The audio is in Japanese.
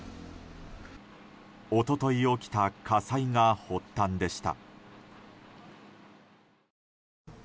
一昨日起きた火災が発端でした。